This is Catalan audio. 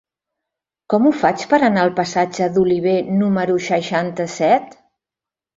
Com ho faig per anar al passatge d'Olivé número seixanta-set?